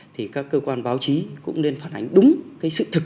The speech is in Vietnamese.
thì các cơ quan báo chí cũng nên phản ánh đúng cái sự thực